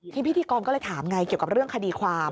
พิธีกรก็เลยถามไงเกี่ยวกับเรื่องคดีความ